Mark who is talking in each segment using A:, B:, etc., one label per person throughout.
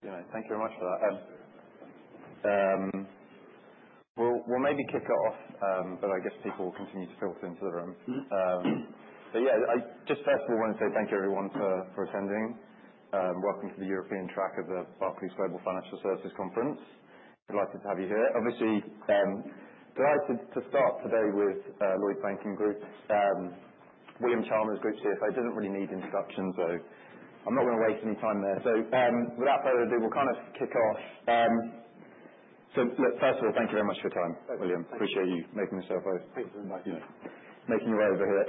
A: Yeah, thank you very much for that. We'll maybe kick it off, but I guess people will continue to filter into the room. But yeah, I just first of all want to say thank you, everyone, for attending. Welcome to the European track of the Barclays Global Financial Services Conference. Delighted to have you here. Obviously, delighted to start today with Lloyds Banking Group. William Chalmers, Group CFO, didn't really need introductions, so I'm not going to waste any time there. So without further ado, we'll kind of kick off. So look, first of all, thank you very much for your time, William. Appreciate you making yourself over.
B: Thank you for inviting me.
A: Making your way over here.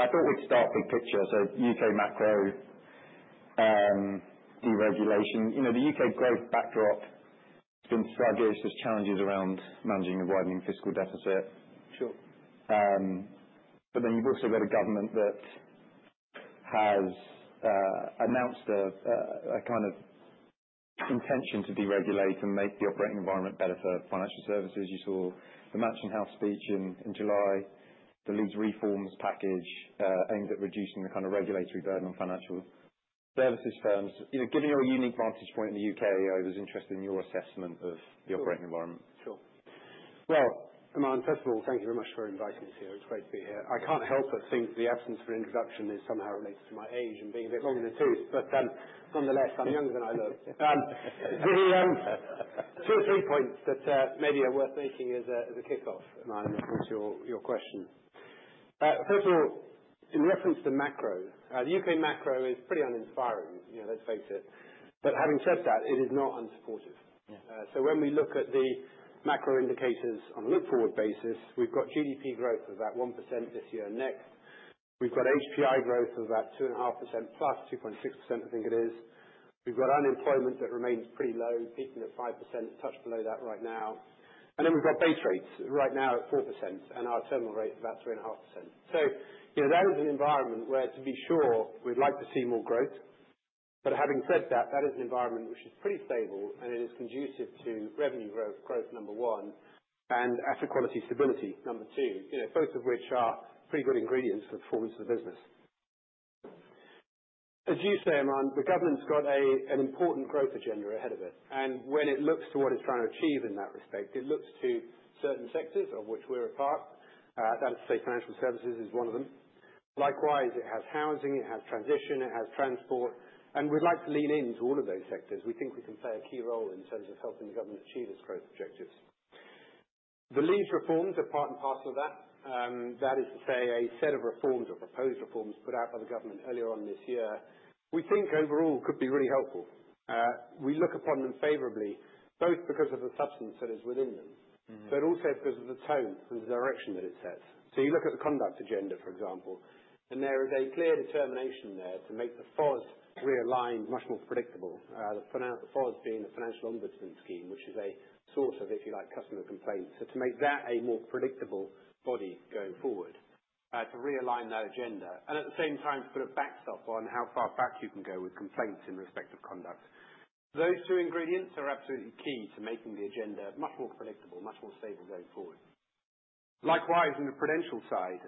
A: I thought we'd start big picture. So UK macro deregulation. The UK growth backdrop has been sluggish. There's challenges around managing a widening fiscal deficit. But then you've also got a government that has announced a kind of intention to deregulate and make the operating environment better for financial services. You saw the Mansion House Speech in July. The government's reforms package aims at reducing the kind of regulatory burden on financial services firms. Given your unique vantage point in the U.K., I was interested in your assessment of the operating environment.
B: Sure. Well, Aman, first of all, thank you very much for inviting me here. It's great to be here. I can't help but think the absence of an introduction is somehow related to my age and being a bit long in the tooth, but nonetheless, I'm younger than I look. The two or three points that maybe are worth making as a kickoff, Aman, of course, your question. First of all, in reference to macro, the UK macro is pretty uninspiring, let's face it. But having said that, it is not unsupportive. So when we look at the macro indicators on a look-forward basis, we've got GDP growth of about one% this year and next. We've got HPI growth of about 2.5% plus 2.6%, I think it is. We've got unemployment that remains pretty low, peaking at five%, a touch below that right now. And then we've got base rates right now at 4% and our terminal rate about 3.5%. So that is an environment where, to be sure, we'd like to see more growth. But having said that, that is an environment which is pretty stable, and it is conducive to revenue growth, number one, and equity stability, number two, both of which are pretty good ingredients for the performance of the business. As you say, Aman, the government's got an important growth agenda ahead of it. And when it looks to what it's trying to achieve in that respect, it looks to certain sectors of which we're a part. That is to say, financial services is one of them. Likewise, it has housing, it has transition, it has transport. And we'd like to lean into all of those sectors. We think we can play a key role in terms of helping the government achieve its growth objectives. The Leeds reforms are part and parcel of that. That is to say, a set of reforms or proposed reforms put out by the government earlier on this year, we think overall could be really helpful. We look upon them favorably, both because of the substance that is within them, but also because of the tone and the direction that it sets. So you look at the conduct agenda, for example, and there is a clear determination there to make the FOS realigned much more predictable, the FOS being the Financial Ombudsman Scheme, which is a source of, if you like, customer complaints. So to make that a more predictable body going forward, to realign that agenda, and at the same time, to put a backstop on how far back you can go with complaints in respect of conduct. Those two ingredients are absolutely key to making the agenda much more predictable, much more stable going forward. Likewise, on the prudential side,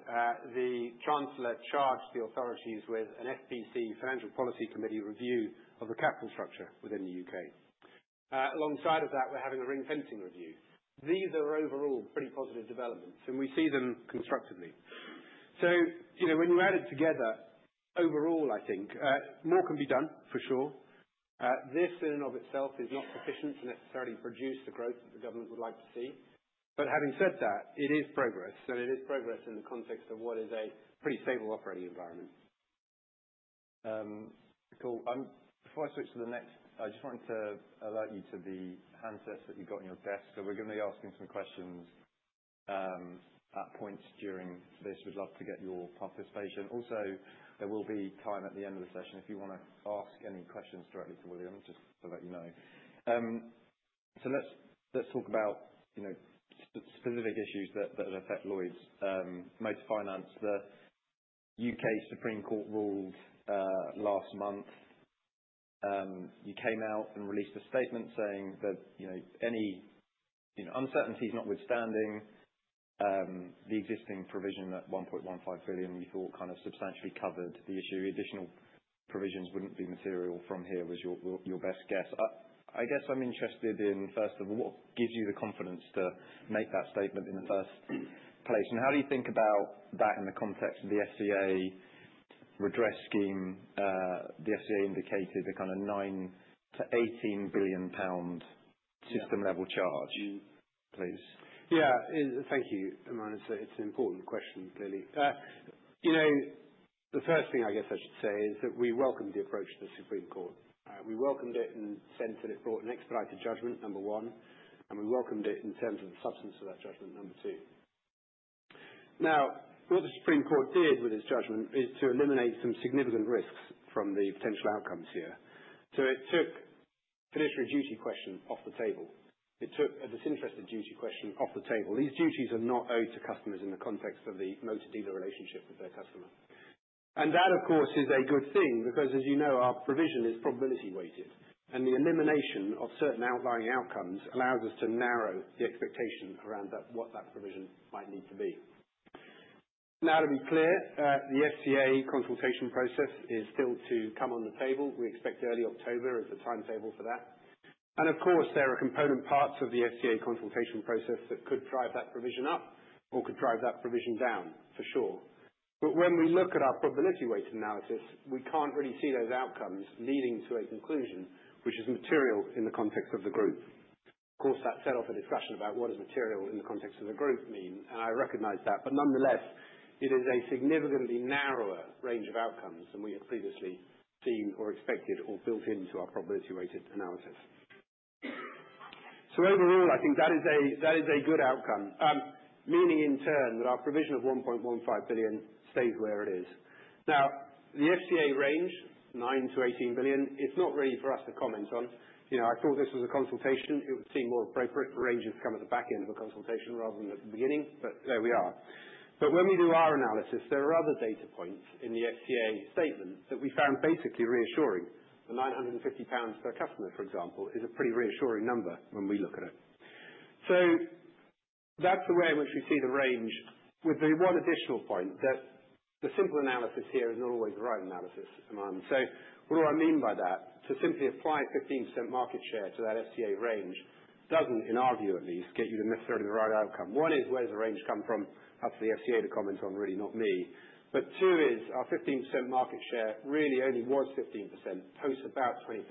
B: the Chancellor charged the authorities with an FPC, Financial Policy Committee review of the capital structure within the U.K. Alongside of that, we're having a ring-fencing review. These are overall pretty positive developments, and we see them constructively. So when you add it together, overall, I think more can be done, for sure. This, in and of itself, is not sufficient to necessarily produce the growth that the government would like to see. But having said that, it is progress, and it is progress in the context of what is a pretty stable operating environment.
A: Cool. Before I switch to the next, I just wanted to alert you to the handsets that you've got on your desk. So we're going to be asking some questions at points during this. We'd love to get your participation. Also, there will be time at the end of the session if you want to ask any questions directly to William, just to let you know. So let's talk about specific issues that affect Lloyds. Motor Finance, the UK Supreme Court ruled last month. You came out and released a statement saying that any uncertainties notwithstanding the existing provision at 1.15 billion, you thought kind of substantially covered the issue. Additional provisions wouldn't be material from here, was your best guess. I guess I'm interested in, first of all, what gives you the confidence to make that statement in the first place? How do you think about that in the context of the FCA redress scheme? The FCA indicated a kind of 9 billion-18 billion pound system-level charge, please.
B: Yeah. Thank you, Aman. It's an important question, clearly. The first thing I guess I should say is that we welcomed the approach of the Supreme Court. We welcomed it and said that it brought an expedited judgment, number one, and we welcomed it in terms of the substance of that judgment, number two. Now, what the Supreme Court did with its judgment is to eliminate some significant risks from the potential outcomes here. So it took fiduciary duty questions off the table. It took a disinterested duty question off the table. These duties are not owed to customers in the context of the motor dealer relationship with their customer. And that, of course, is a good thing because, as you know, our provision is probability-weighted. And the elimination of certain outlying outcomes allows us to narrow the expectation around what that provision might need to be. Now, to be clear, the FCA consultation process is still to come on the table. We expect early October as the timetable for that. And of course, there are component parts of the FCA consultation process that could drive that provision up or could drive that provision down, for sure. But when we look at our probability-weighted analysis, we can't really see those outcomes leading to a conclusion which is material in the context of the group. Of course, that set off a discussion about what does material in the context of the group mean, and I recognize that. But nonetheless, it is a significantly narrower range of outcomes than we had previously seen or expected or built into our probability-weighted analysis. So overall, I think that is a good outcome, meaning in turn that our provision of 1.15 billion stays where it is. Now, the FCA range, 9 billion-18 billion, it's not really for us to comment on. I thought this was a consultation. It would seem more appropriate for ranges to come at the back end of a consultation rather than at the beginning, but there we are, but when we do our analysis, there are other data points in the FCA statement that we found basically reassuring. The 950 pounds per customer, for example, is a pretty reassuring number when we look at it, so that's the way in which we see the range, with the one additional point that the simple analysis here is not always the right analysis, Aman, so what do I mean by that? To simply apply 15% market share to that FCA range doesn't, in our view at least, get you to necessarily the right outcome. One is, where does the range come from? That's for the FCA to comment on, really not me. But two is, our 15% market share really only was 15% post about 2015.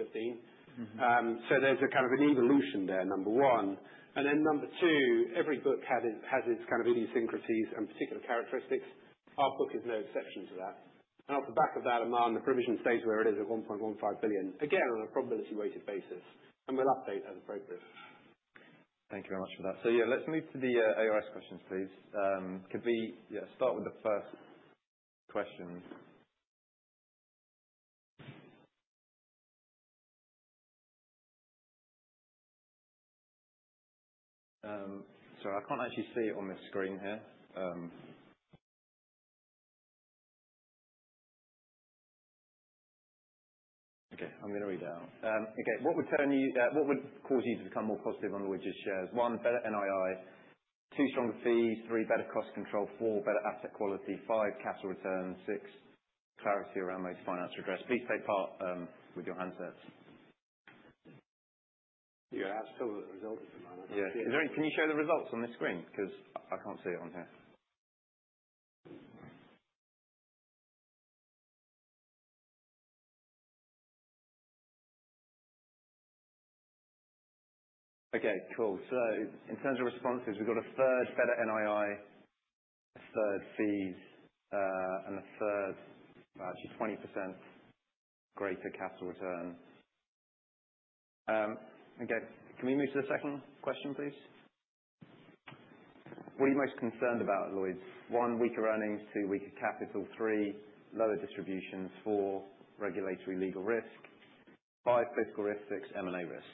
B: So there's a kind of an evolution there, number one. And then number two, every book has its kind of idiosyncrasies and particular characteristics. Our book is no exception to that. And off the back of that, Aman, the provision stays where it is at 1.15 billion, again, on a probability-weighted basis, and we'll update as appropriate.
A: Thank you very much for that. So yeah, let's move to the ARS questions, please. Could we start with the first question? Sorry, I can't actually see it on the screen here. Okay, I'm going to read it out. Okay, what would cause you to become more positive on Lloyds' shares? One, better NII. Two, stronger fees. Three, better cost control. Four, better asset quality. Five, capital return. Six, clarity around those financial targets. Please take part with your handsets.
B: Do you have to show the results, Aman?
A: Yeah. Can you show the results on the screen? Because I can't see it on here. Okay, cool. So in terms of responses, we've got a third better NII, a third fees, and a third, actually 20% greater capital return. Okay, can we move to the second question, please? What are you most concerned about, Lloyds? One, weaker earnings. Two, weaker capital. Three, lower distributions. Four, regulatory legal risk. Five, fiscal risk. Six, M&A risk.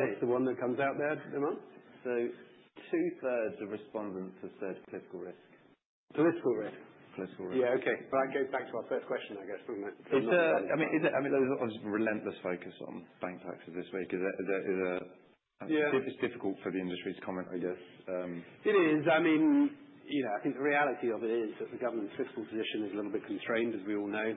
B: That's the one that comes out there, Aman?
A: Two-thirds of respondents have said political risk.
B: Political risk.
A: Political risk.
B: Yeah, okay. But that goes back to our third question, I guess, wouldn't it?
A: I mean, there's obviously relentless focus on bank taxes this week. It's difficult for the industry to comment, I guess.
B: It is. I mean, I think the reality of it is that the government's fiscal position is a little bit constrained, as we all know.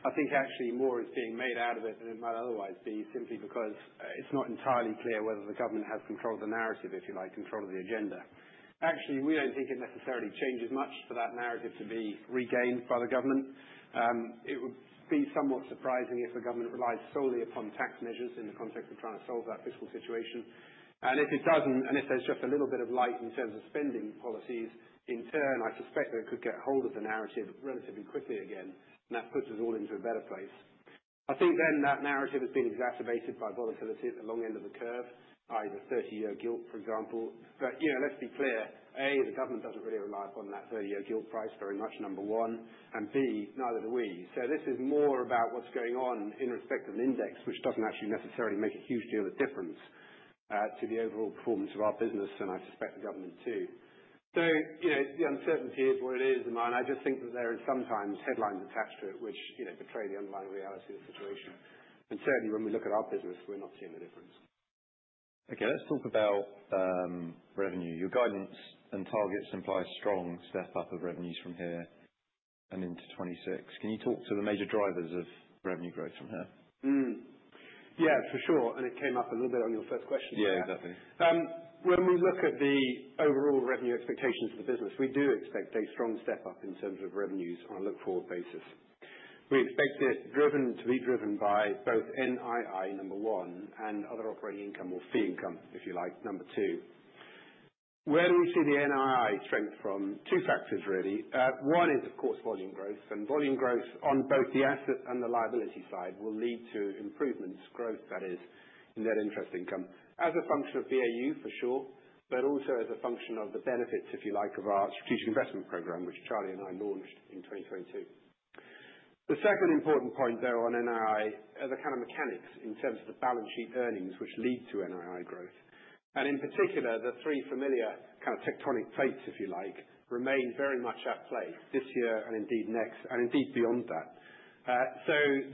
B: I think actually more is being made out of it than it might otherwise be simply because it's not entirely clear whether the government has control of the narrative, if you like, control of the agenda. Actually, we don't think it necessarily changes much for that narrative to be regained by the government. It would be somewhat surprising if the government relies solely upon tax measures in the context of trying to solve that fiscal situation, and if it doesn't, and if there's just a little bit of light in terms of spending policies, in turn, I suspect that it could get hold of the narrative relatively quickly again, and that puts us all into a better place. I think then that narrative has been exacerbated by volatility at the long end of the curve, e.g., 30-year gilt, for example, but let's be clear. A, the government doesn't really rely upon that 30-year gilt price very much, number one, and B, neither do we. So this is more about what's going on in respect of an index, which doesn't actually necessarily make a huge deal of difference to the overall performance of our business, and I suspect the government too. So the uncertainty is what it is, Aman. I just think that there are sometimes headlines attached to it, which betray the underlying reality of the situation, and certainly, when we look at our business, we're not seeing the difference.
A: Okay, let's talk about revenue. Your guidance and targets imply a strong step up of revenues from here and into 2026. Can you talk to the major drivers of revenue growth from here?
B: Yeah, for sure. And it came up a little bit on your first question.
A: Yeah, exactly.
B: When we look at the overall revenue expectations of the business, we do expect a strong step up in terms of revenues on a look-forward basis. We expect it to be driven by both NII, number one, and other operating income or fee income, if you like, number two. Where do we see the NII strength from? Two factors, really. One is, of course, volume growth, and volume growth on both the asset and the liability side will lead to improvements, growth, that is, in net interest income, as a function of BAU, for sure, but also as a function of the benefits, if you like, of our strategic investment program, which Charlie and I launched in 2022. The second important point, though, on NII are the kind of mechanics in terms of the balance sheet earnings which lead to NII growth. In particular, the three familiar kind of tectonic plates, if you like, remain very much at play this year and indeed next and indeed beyond that.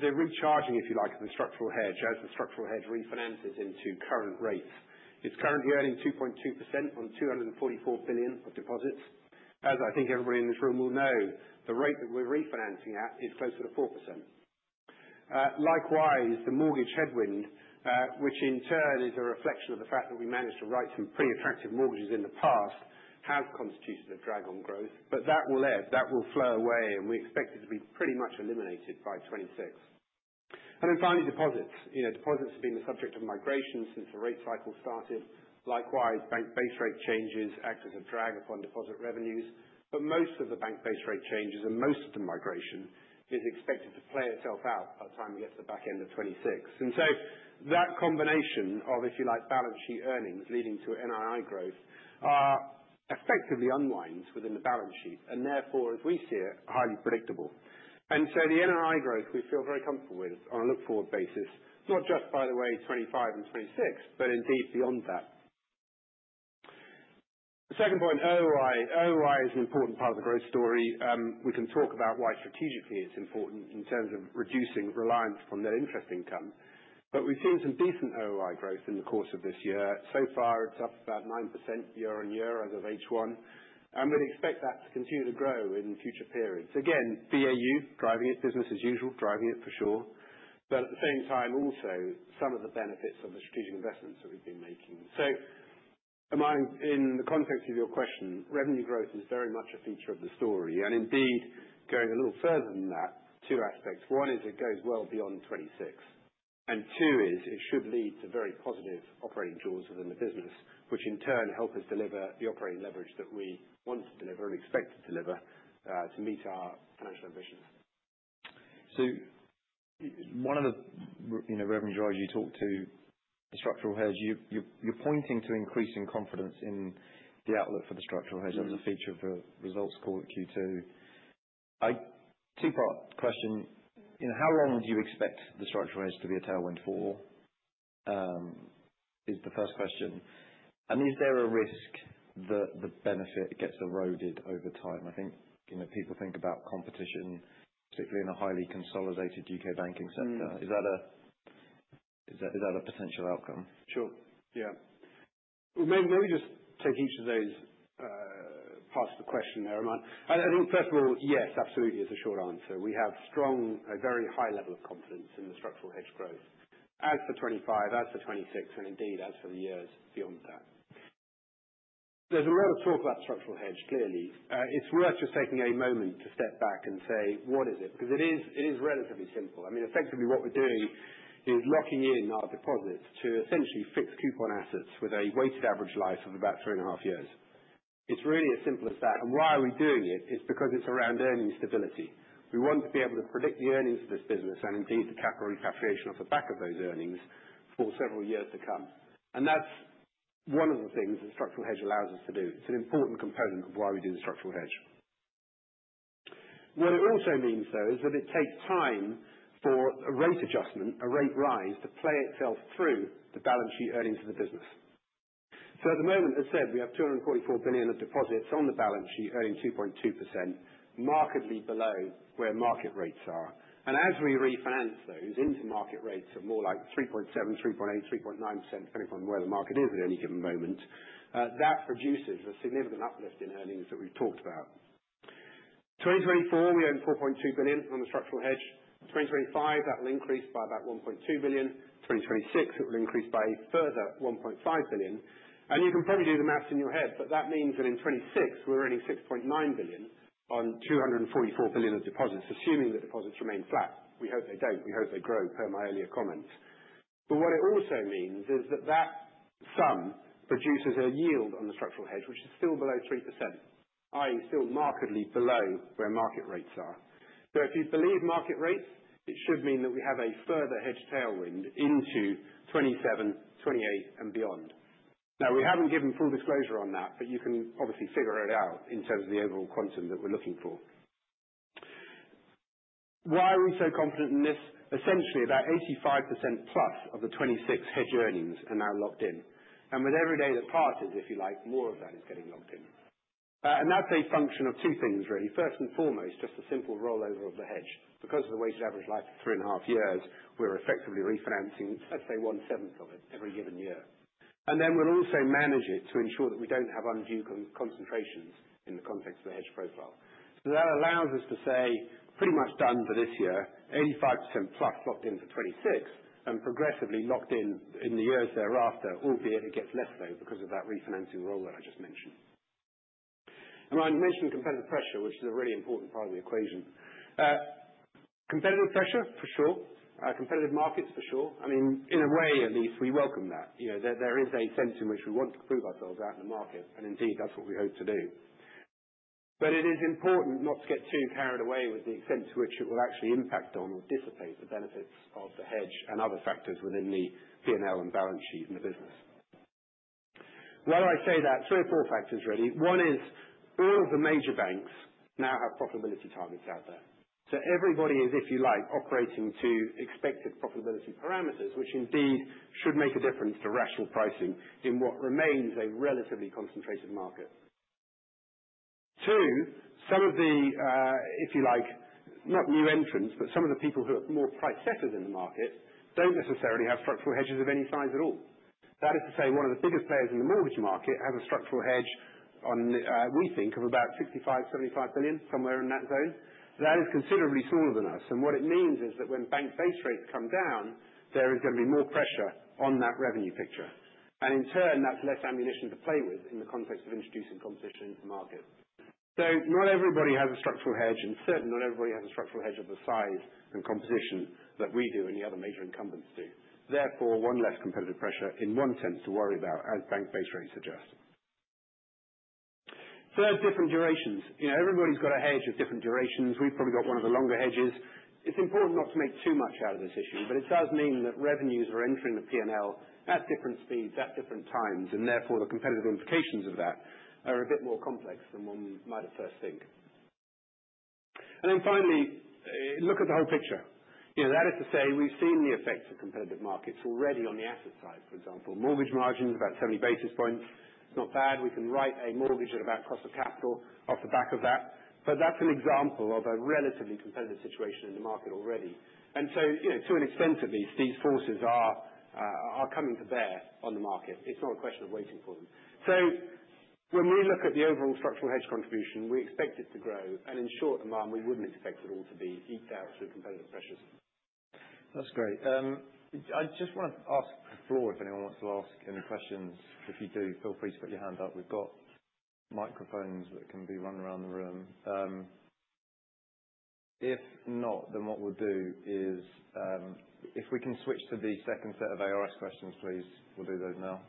B: The recharging, if you like, of the structural hedge, as the structural hedge refinances into current rates. It's currently earning 2.2% on 244 billion of deposits. As I think everybody in this room will know, the rate that we're refinancing at is closer to 4%. Likewise, the mortgage headwind, which in turn is a reflection of the fact that we managed to write some pretty attractive mortgages in the past, has constituted a drag on growth, but that will ebb. That will flow away, and we expect it to be pretty much eliminated by 2026. Then finally, deposits. Deposits have been the subject of migration since the rate cycle started. Likewise, bank base rate changes act as a drag upon deposit revenues, but most of the bank base rate changes and most of the migration is expected to play itself out by the time we get to the back end of 2026. And so that combination of, if you like, balance sheet earnings leading to NII growth are effectively unwinds within the balance sheet, and therefore, as we see it, highly predictable, and so the NII growth we feel very comfortable with on a look-forward basis, not just by the way 2025 and 2026, but indeed beyond that. Second point, OOI. OOI is an important part of the growth story. We can talk about why strategically it's important in terms of reducing reliance upon net interest income, but we've seen some decent OOI growth in the course of this year. So far, it's up about 9% year on year as of H1. And we'd expect that to continue to grow in future periods. Again, BAU driving it, business as usual, driving it for sure. But at the same time, also some of the benefits of the strategic investments that we've been making. So, Aman, in the context of your question, revenue growth is very much a feature of the story. And indeed, going a little further than that, two aspects. One is it goes well beyond '26. And two is it should lead to very positive operating jaws within the business, which in turn help us deliver the operating leverage that we want to deliver and expect to deliver to meet our financial ambitions.
A: So one of the revenue drivers you talked to, the structural hedge, you're pointing to increasing confidence in the outlook for the structural hedge as a feature of the results call at Q2. Two-part question. How long do you expect the structural hedge to be a tailwind for is the first question. And is there a risk that the benefit gets eroded over time? I think people think about competition, particularly in a highly consolidated U.K. banking sector. Is that a potential outcome?
B: Sure. Yeah. Well, maybe just take each of those parts of the question there, Aman. I think, first of all, yes, absolutely, is a short answer. We have a very high level of confidence in the structural hedge growth as for 2025, as for 2026, and indeed as for the years beyond that. There's a lot of talk about structural hedge, clearly. It's worth just taking a moment to step back and say, what is it? Because it is relatively simple. I mean, effectively, what we're doing is locking in our deposits to essentially fixed coupon assets with a weighted average life of about three and a half years. It's really as simple as that. And why are we doing it? It's because it's around earnings stability. We want to be able to predict the earnings of this business and indeed the capital repatriation off the back of those earnings for several years to come. And that's one of the things that structural hedge allows us to do. It's an important component of why we do the structural hedge. What it also means, though, is that it takes time for a rate adjustment, a rate rise, to play itself through the balance sheet earnings of the business. So at the moment, as I said, we have 244 billion of deposits on the balance sheet earning 2.2%, markedly below where market rates are. And as we refinance those into market rates of more like 3.7%, 3.8%, 3.9%, depending upon where the market is at any given moment, that produces a significant uplift in earnings that we've talked about. 2024, we earned 4.2 billion on the structural hedge. 2025, that will increase by about 1.2 billion. 2026, it will increase by a further 1.5 billion. You can probably do the math in your head, but that means that in 2026, we're earning 6.9 billion on 244 billion of deposits, assuming that deposits remain flat. We hope they don't. We hope they grow, per my earlier comments. What it also means is that that sum produces a yield on the structural hedge, which is still below 3%, i.e., still markedly below where market rates are. If you believe market rates, it should mean that we have a further hedge tailwind into 2027, 2028, and beyond. Now, we haven't given full disclosure on that, but you can obviously figure it out in terms of the overall quantum that we're looking for. Why are we so confident in this? Essentially, about 85%+ of the 2026 hedge earnings are now locked in, and with every day that passes, if you like, more of that is getting locked in, and that's a function of two things, really. First and foremost, just a simple rollover of the hedge. Because of the weighted average life of three and a half years, we're effectively refinancing, let's say, one-seventh of it every given year, and then we'll also manage it to ensure that we don't have undue concentrations in the context of the hedge profile. So that allows us to say, pretty much done for this year, 85%+ locked in for 2026, and progressively locked in in the years thereafter, albeit it gets less so because of that refinancing role that I just mentioned. Amand, you mentioned competitive pressure, which is a really important part of the equation. Competitive pressure, for sure. Competitive markets, for sure. I mean, in a way, at least, we welcome that. There is a sense in which we want to prove ourselves out in the market, and indeed, that's what we hope to do. But it is important not to get too carried away with the extent to which it will actually impact on or dissipate the benefits of the hedge and other factors within the P&L and balance sheet in the business. Why do I say that? Three or four factors, really. One is all of the major banks now have profitability targets out there. So everybody is, if you like, operating to expected profitability parameters, which indeed should make a difference to rational pricing in what remains a relatively concentrated market. Two, some of the, if you like, not new entrants, but some of the people who are more price-setters in the market don't necessarily have structural hedges of any size at all. That is to say, one of the biggest players in the mortgage market has a structural hedge, we think, of about 65–75 billion, somewhere in that zone. That is considerably smaller than us. And what it means is that when bank base rates come down, there is going to be more pressure on that revenue picture. And in turn, that's less ammunition to play with in the context of introducing competition into the market. So not everybody has a structural hedge, and certainly not everybody has a structural hedge of the size and composition that we do and the other major incumbents do. Therefore, one less competitive pressure in one sense to worry about, as bank base rates suggest. Third, different durations. Everybody's got a hedge of different durations. We've probably got one of the longer hedges. It's important not to make too much out of this issue, but it does mean that revenues are entering the P&L at different speeds, at different times, and therefore the competitive implications of that are a bit more complex than one might at first think, and then finally, look at the whole picture. That is to say, we've seen the effects of competitive markets already on the asset side, for example. Mortgage margins, about 70 basis points. It's not bad. We can write a mortgage at about cost of capital off the back of that. But that's an example of a relatively competitive situation in the market already. And so to an extent, at least, these forces are coming to bear on the market. It's not a question of waiting for them. So when we look at the overall structural hedge contribution, we expect it to grow. And in short, Aman, we wouldn't expect it all to be eked out through competitive pressures.
A: That's great. I just want to ask the floor if anyone wants to ask any questions. If you do, feel free to put your hand up. We've got microphones that can be run around the room. If not, then what we'll do is if we can switch to the second set of ARS questions, please. We'll do those now.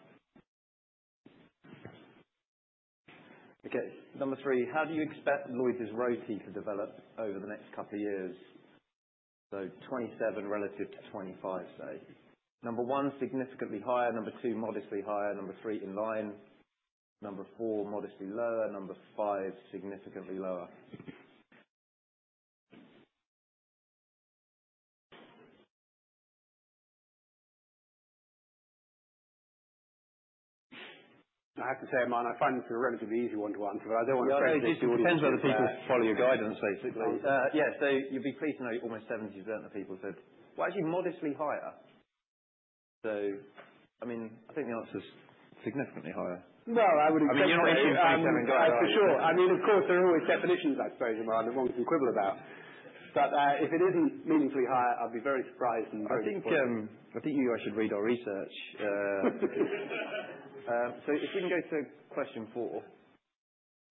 A: Okay. Number three, how do you expect Lloyds' return on tangible equity to develop over the next couple of years? So 2027 relative to 2025, say. Number one, significantly higher. Number two, modestly higher. Number three, in line. Number four, modestly lower. Number five, significantly lower. I have to say, Aman, I find this a relatively easy one to answer, but I don't want to say it's easy to answer.
B: It depends on the people who follow your guidance, basically.
A: Yeah. So you'd be pleased to know almost 70% of the people said, "Well, actually, modestly higher." So I mean, I think the answer's significantly higher.
B: I would agree.
A: I think you're not issuing 2027 guidance.
B: For sure. I mean, of course, there are always definitions, I suppose, Amand, of what we can quibble about. But if it isn't meaningfully higher, I'd be very surprised and very pleased.
A: I think you guys should read our research. So if we can go to question four.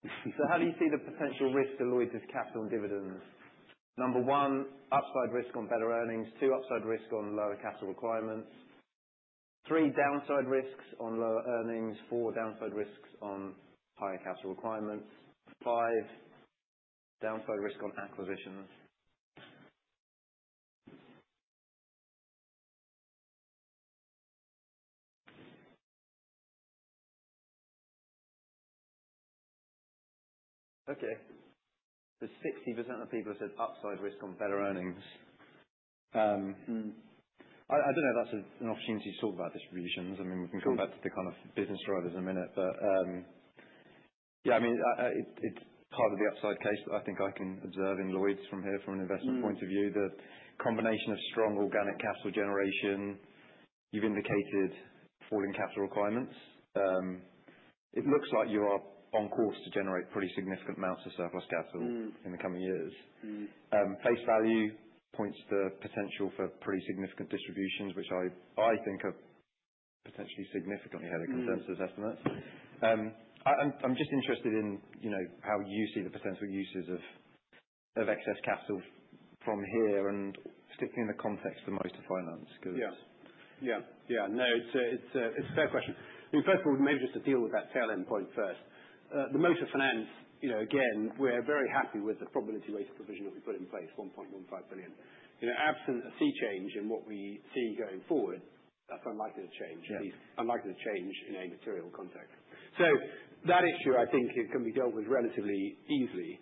A: So how do you see the potential risk to Lloyds' capital and dividends? Number one, upside risk on better earnings. Two, upside risk on lower capital requirements. Three, downside risks on lower earnings. Four, downside risks on higher capital requirements. Five, downside risk on acquisitions. Okay. So 60% of the people have said upside risk on better earnings. I don't know if that's an opportunity to talk about distributions. I mean, we can come back to the kind of business drivers in a minute. But yeah, I mean, it's part of the upside case that I think I can observe in Lloyds from here, from an investment point of view, the combination of strong organic capital generation. You've indicated falling capital requirements. It looks like you are on course to generate pretty significant amounts of surplus capital in the coming years. Face value points to potential for pretty significant distributions, which I think are potentially significantly ahead of consensus estimates. I'm just interested in how you see the potential uses of excess capital from here, and particularly in the context of motor finance, because.
B: Yeah. Yeah. Yeah. No, it's a fair question. I mean, first of all, maybe just to deal with that tail-end point first. The Motor Finance, again, we're very happy with the probability-weighted provision that we put in place, 1.15 billion. Absent a sea change in what we see going forward, that's unlikely to change, at least unlikely to change in a material context. So that issue, I think, can be dealt with relatively easily.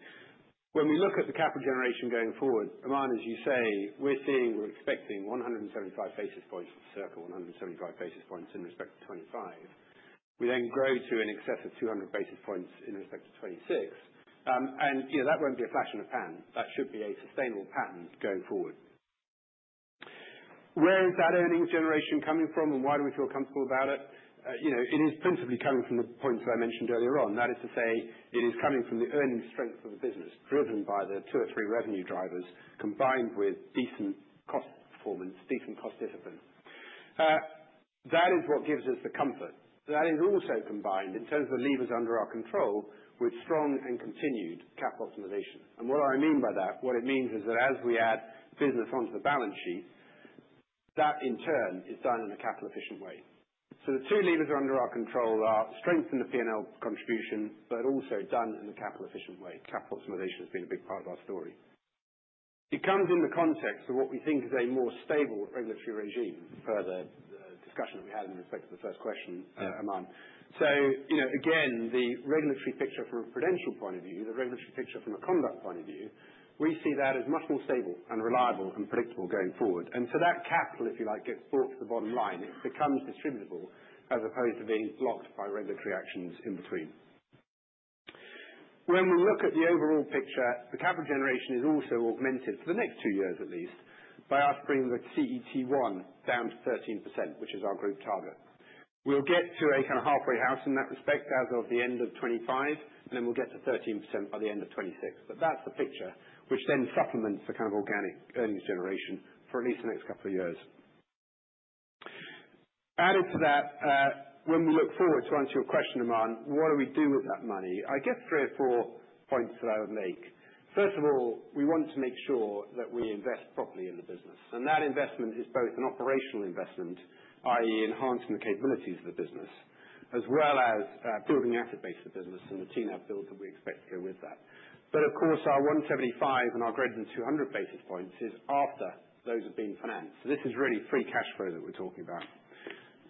B: When we look at the capital generation going forward, Aman, as you say, we're seeing we're expecting 175 basis points to circa 175 basis points in respect to 2025. We then grow to an excess of 200 basis points in respect to 2026. And that won't be a flash in the pan. That should be a sustainable pattern going forward. Where is that earnings generation coming from, and why do we feel comfortable about it? It is principally coming from the points that I mentioned earlier on. That is to say, it is coming from the earnings strength of the business, driven by the two or three revenue drivers, combined with decent cost performance, decent cost discipline. That is what gives us the comfort. That is also combined, in terms of the levers under our control, with strong and continued capital optimization. And what do I mean by that? What it means is that as we add business onto the balance sheet, that in turn is done in a capital-efficient way. So the two levers under our control are strengthen the P&L contribution, but also done in a capital-efficient way. Capital optimization has been a big part of our story. It comes in the context of what we think is a more stable regulatory regime. Further discussion that we had in respect of the first question, Amand, so again, the regulatory picture from a prudential point of view, the regulatory picture from a conduct point of view, we see that as much more stable and reliable and predictable going forward, and so that capital, if you like, gets brought to the bottom line. It becomes distributable as opposed to being blocked by regulatory actions in between. When we look at the overall picture, the capital generation is also augmented for the next two years, at least, by us bringing the CET1 down to 13%, which is our group target. We'll get to a kind of halfway house in that respect as of the end of 2025, and then we'll get to 13% by the end of 2026. But that's the picture, which then supplements the kind of organic earnings generation for at least the next couple of years. Added to that, when we look forward to answer your question, Aman, what do we do with that money? I guess three or four points that I would make. First of all, we want to make sure that we invest properly in the business. And that investment is both an operational investment, i.e., enhancing the capabilities of the business, as well as building the asset base of the business and the TNAV builds that we expect to go with that. But of course, our 175 and our greater than 200 basis points is after those have been financed. So this is really free cash flow that we're talking about.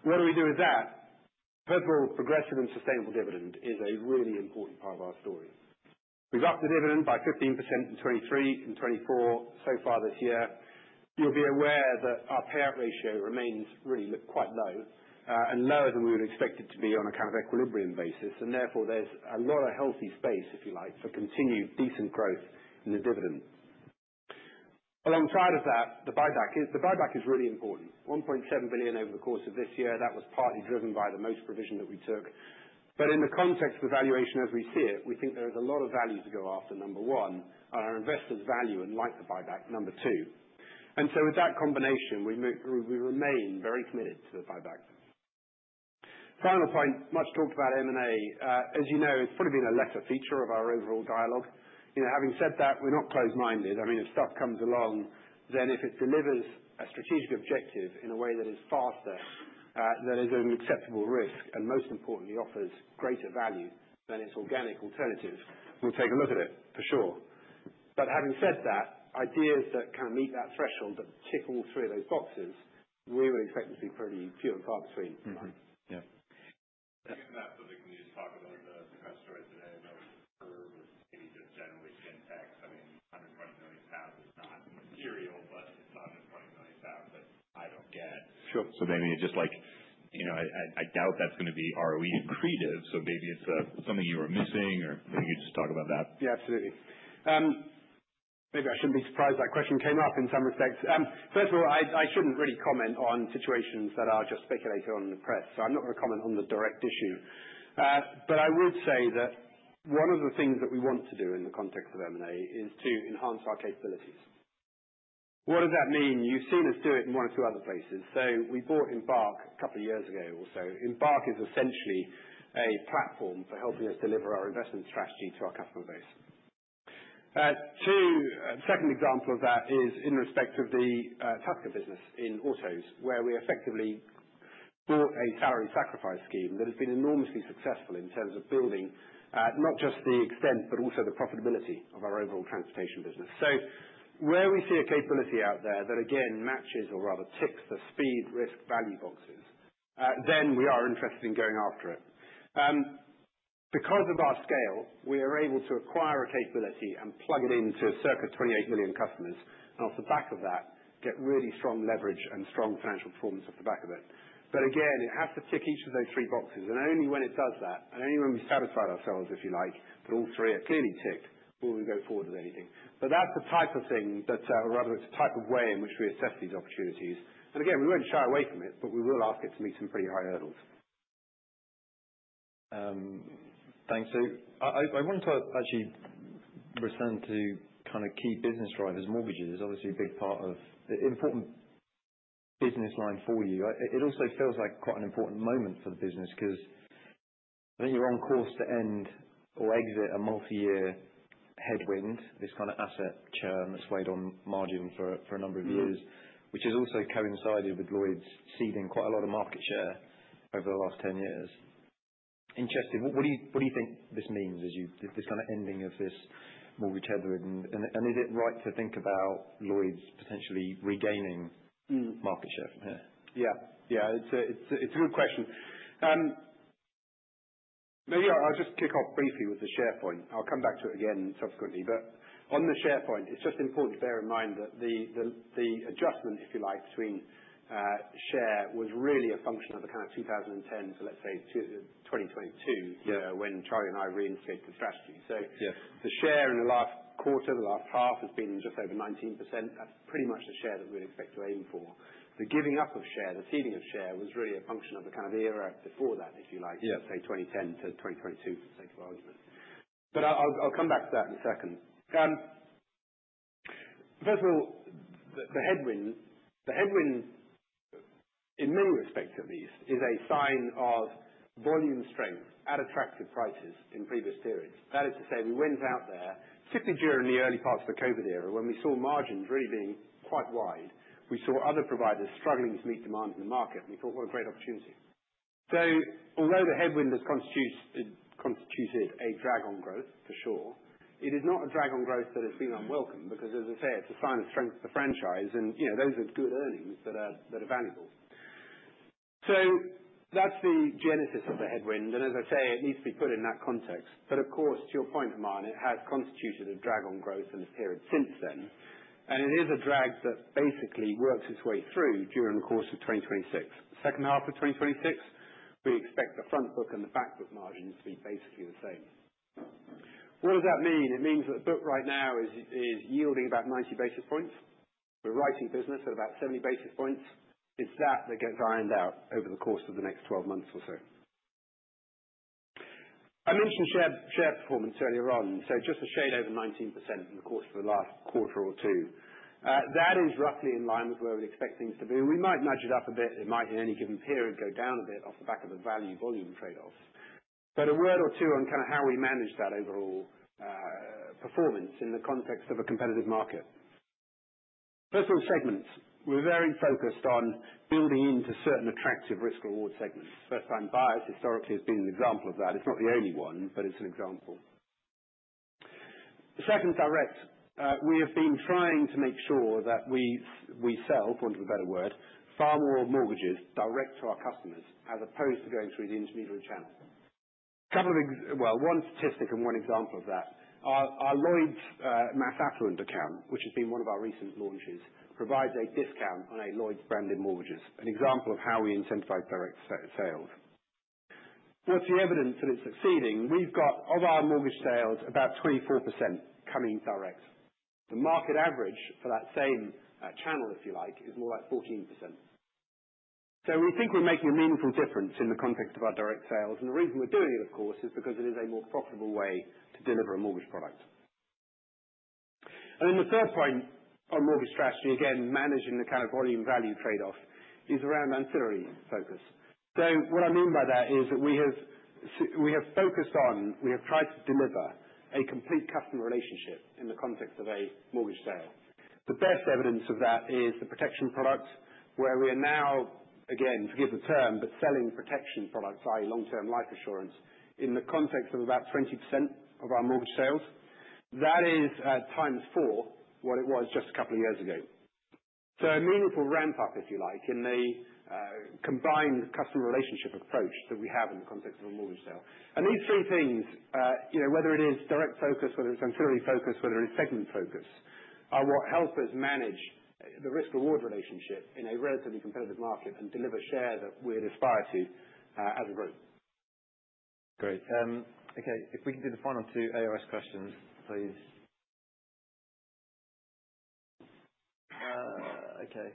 B: What do we do with that? First of all, progressive and sustainable dividend is a really important part of our story. We've upped the dividend by 15% in 2023 and 2024 so far this year. You'll be aware that our payout ratio remains really quite low and lower than we would expect it to be on a kind of equilibrium basis, and therefore, there's a lot of healthy space, if you like, for continued decent growth in the dividend. Alongside of that, the buyback is really important. 1.7 billion over the course of this year. That was partly driven by the motor provision that we took, but in the context of the valuation as we see it, we think there is a lot of value to go after, number one, on our investors' value and like the buyback, number two, and so with that combination, we remain very committed to the buyback. Final point, much talked about M&A. As you know, it's probably been a lesser feature of our overall dialogue. Having said that, we're not closed-minded. I mean, if stuff comes along, then if it delivers a strategic objective in a way that is faster, that is an acceptable risk, and most importantly, offers greater value than its organic alternative, we'll take a look at it, for sure. But having said that, ideas that can meet that threshold that tick all three of those boxes, we would expect to be pretty few and far between.
A: Yeah. Given that, so we can just talk about the credit story today about curve and maybe just generally fintechs. I mean, GBP 120 million is not material, but it's GBP 120 million that I don't get. Sure. So maybe it's just like I doubt that's going to be ROE accretive. So maybe it's something you were missing, or maybe you could just talk about that.
B: Yeah, absolutely. Maybe I shouldn't be surprised that question came up in some respects. First of all, I shouldn't really comment on situations that are just speculated on in the press. So I'm not going to comment on the direct issue. But I would say that one of the things that we want to do in the context of M&A is to enhance our capabilities. What does that mean? You've seen us do it in one or two other places. So we bought Embark a couple of years ago or so. Embark is essentially a platform for helping us deliver our investment strategy to our customer base. Two second examples of that is in respect of the Tusker business in autos, where we effectively bought a salary sacrifice scheme that has been enormously successful in terms of building not just the extent, but also the profitability of our overall transportation business. So where we see a capability out there that, again, matches or rather ticks the speed, risk, value boxes, then we are interested in going after it. Because of our scale, we are able to acquire a capability and plug it into circa 28 million customers, and off the back of that, get really strong leverage and strong financial performance off the back of it. But again, it has to tick each of those three boxes. And only when it does that, and only when we've satisfied ourselves, if you like, that all three are clearly ticked, will we go forward with anything. But that's the type of thing that, or rather, it's a type of way in which we assess these opportunities. And again, we won't shy away from it, but we will ask it to meet some pretty high hurdles.
A: Thanks. So I wanted to actually return to kind of key business drivers. Mortgages is obviously a big part of an important business line for you. It also feels like quite an important moment for the business because I think you're on course to end or exit a multi-year headwind, this kind of asset churn that's weighed on margin for a number of years, which has also coincided with Lloyds ceding quite a lot of market share over the last 10 years. Interesting. What do you think this means as you this kind of ending of this mortgage headwind? And is it right to think about Lloyds potentially regaining market share from here?
B: Yeah. Yeah. It's a good question. Maybe I'll just kick off briefly with the share point. I'll come back to it again subsequently. But on the share point, it's just important to bear in mind that the adjustment, if you like, between share was really a function of the kind of 2010 to, let's say, 2022 when Charlie and I reinstated the strategy. So the share in the last quarter, the last half, has been just over 19%. That's pretty much the share that we would expect to aim for. The giving up of share, the ceding of share, was really a function of the kind of era before that, if you like, say, 2010–2022, for the sake of argument. But I'll come back to that in a second. First of all, the headwind, the headwind in many respects, at least, is a sign of volume strength at attractive prices in previous periods. That is to say, we went out there, particularly during the early parts of the COVID era, when we saw margins really being quite wide. We saw other providers struggling to meet demand in the market, and we thought, "What a great opportunity." So although the headwind has constituted a drag on growth, for sure, it is not a drag on growth that has been unwelcome because, as I say, it's a sign of strength of the franchise, and those are good earnings that are valuable. So that's the genesis of the headwind. And as I say, it needs to be put in that context. But of course, to your point, Amand, it has constituted a drag on growth in the period since then. It is a drag that basically works its way through during the course of 2026. Second half of 2026, we expect the front book and the back book margins to be basically the same. What does that mean? It means that the book right now is yielding about 90 basis points. We're writing business at about 70 basis points. It's that that gets ironed out over the course of the next 12 months or so. I mentioned share performance earlier on. So just a shade over 19% in the course of the last quarter or two. That is roughly in line with where we'd expect things to be. We might nudge it up a bit. It might, in any given period, go down a bit off the back of the value-volume trade-offs. But a word or two on kind of how we manage that overall performance in the context of a competitive market. First of all, segments. We're very focused on building into certain attractive risk-reward segments. First-time buyers historically have been an example of that. It's not the only one, but it's an example. Second, direct. We have been trying to make sure that we sell, for want of a better word, far more mortgages direct to our customers as opposed to going through the intermediary channel. Well, one statistic and one example of that. Our Lloyds Mass Affluent account, which has been one of our recent launches, provides a discount on Lloyds branded mortgages, an example of how we incentivize direct sales. What's the evidence that it's succeeding? We've got, of our mortgage sales, about 24% coming direct. The market average for that same channel, if you like, is more like 14%. So we think we're making a meaningful difference in the context of our direct sales. And the reason we're doing it, of course, is because it is a more profitable way to deliver a mortgage product. And then the third point on mortgage strategy, again, managing the kind of volume-value trade-off, is around ancillary focus. So what I mean by that is that we have focused on. We have tried to deliver a complete customer relationship in the context of a mortgage sale. The best evidence of that is the protection product, where we are now, again, forgive the term, but selling protection products, i.e., long-term life assurance, in the context of about 20% of our mortgage sales. That is times four what it was just a couple of years ago. A meaningful ramp-up, if you like, in the combined customer relationship approach that we have in the context of a mortgage sale. These three things, whether it is direct focus, whether it's ancillary focus, whether it is segment focus, are what help us manage the risk-reward relationship in a relatively competitive market and deliver share that we'd aspire to as a group.
A: Great. Okay. If we can do the final two AOS questions, please. Okay.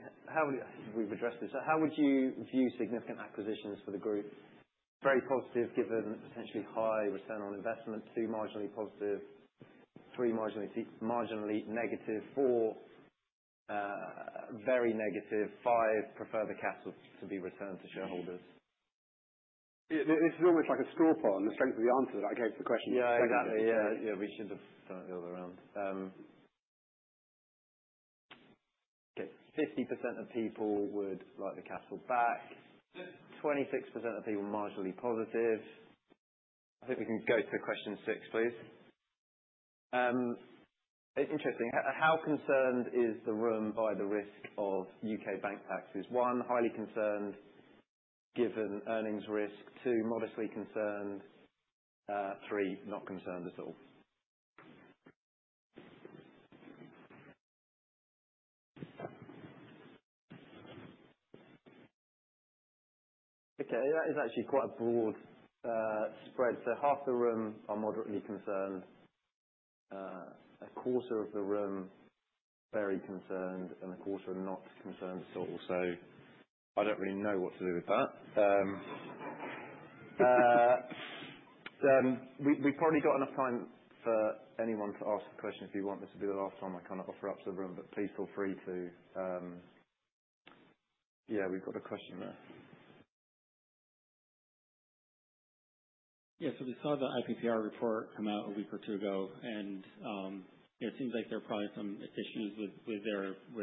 A: We've addressed this. How would you view significant acquisitions for the group? Very positive given potentially high return on investment. Two, marginally positive. Three, marginally negative. Four, very negative. Five, prefer the capital to be returned to shareholders.
B: This is almost like a straw poll, the strength of the answer that I gave to the question.
A: Yeah, exactly. Yeah. Yeah. We should have done it the other way around. Okay. 50% of people would like the capital back. 26% of people marginally positive. I think we can go to question six, please. Interesting. How concerned is the room by the risk of UK Bank taxes? One, highly concerned given earnings risk. Two, modestly concerned. Three, not concerned at all. Okay. That is actually quite a broad spread. So half the room are moderately concerned. A quarter of the room very concerned and a quarter not concerned at all. So I don't really know what to do with that. We've probably got enough time for anyone to ask a question if you want. This will be the last time I kind of offer up to the room, but please feel free to yeah, we've got a question there. Yeah, so we saw the IPPR report come out a week or two ago, and it seems like there are probably some issues with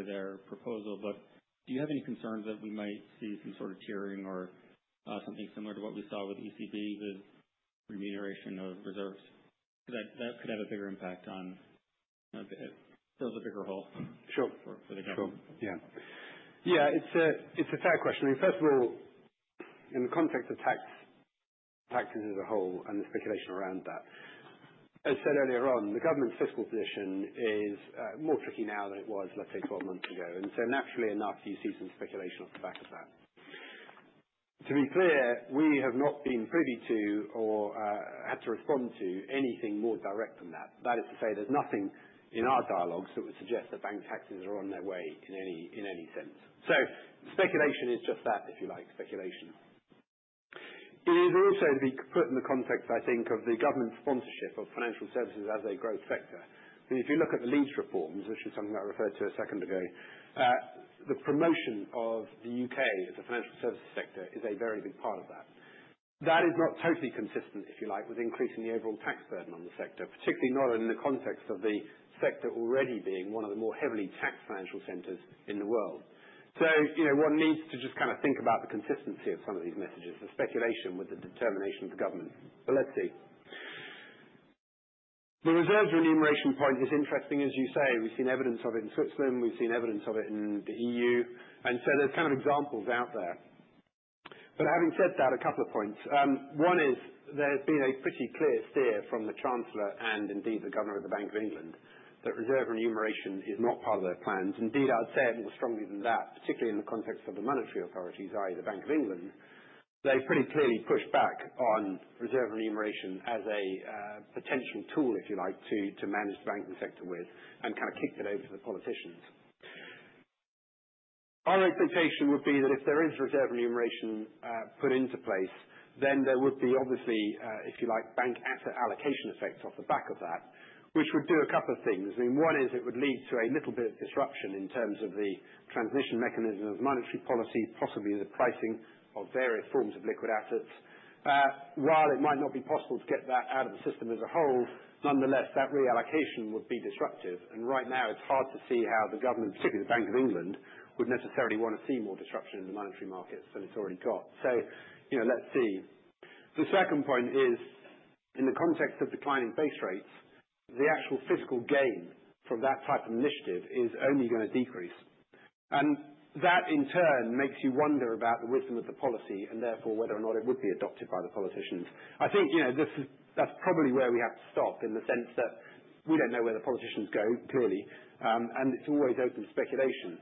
A: their proposal. But do you have any concerns that we might see some sort of tiering or something similar to what we saw with ECB with remuneration of reserves? Because that could have a bigger impact on, fills a bigger hole for the government.
B: Sure. Yeah. It's a fair question. I mean, first of all, in the context of tax practices as a whole and the speculation around that, as said earlier on, the government's fiscal position is more tricky now than it was, let's say, 12 months ago. And so naturally enough, you see some speculation off the back of that. To be clear, we have not been privy to or had to respond to anything more direct than that. That is to say, there's nothing in our dialogue that would suggest that bank taxes are on their way in any sense. So speculation is just that, if you like, speculation. It is also to be put in the context, I think, of the government sponsorship of financial services as a growth sector. I mean, if you look at the Leeds reforms, which is something I referred to a second ago, the promotion of the UK as a financial services sector is a very big part of that. That is not totally consistent, if you like, with increasing the overall tax burden on the sector, particularly not in the context of the sector already being one of the more heavily taxed financial centers in the world. So one needs to just kind of think about the consistency of some of these messages with the determination of the government. But let's see. The reserves remuneration point is interesting, as you say. We've seen evidence of it in Switzerland. We've seen evidence of it in the EU. And so there's kind of examples out there. But having said that, a couple of points. One is there's been a pretty clear steer from the Chancellor and indeed the Governor of the Bank of England that reserve remuneration is not part of their plans. Indeed, I'd say it more strongly than that, particularly in the context of the monetary authorities, i.e., the Bank of England. They've pretty clearly pushed back on reserve remuneration as a potential tool, if you like, to manage the banking sector with and kind of kicked it over to the politicians. Our expectation would be that if there is reserve remuneration put into place, then there would be, obviously, if you like, bank asset allocation effects off the back of that, which would do a couple of things. I mean, one is it would lead to a little bit of disruption in terms of the transmission mechanism of monetary policy, possibly the pricing of various forms of liquid assets. While it might not be possible to get that out of the system as a whole, nonetheless, that reallocation would be disruptive. And right now, it's hard to see how the government, particularly the Bank of England, would necessarily want to see more disruption in the monetary markets than it's already got. So let's see. The second point is, in the context of declining base rates, the actual fiscal gain from that type of initiative is only going to decrease. And that, in turn, makes you wonder about the wisdom of the policy and therefore whether or not it would be adopted by the politicians. I think that's probably where we have to stop in the sense that we don't know where the politicians go, clearly, and it's always open to speculation.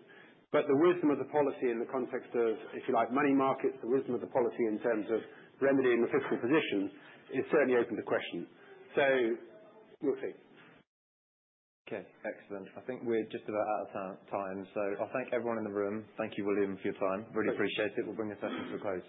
B: but the wisdom of the policy in the context of, if you like, money markets, the wisdom of the policy in terms of remedying the fiscal position is certainly open to question. so we'll see.
A: Okay. Excellent. I think we're just about out of time. So I'll thank everyone in the room. Thank you, William, for your time. Really appreciate it. We'll bring this up to a close.